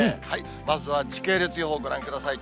まずは時系列予報、ご覧ください。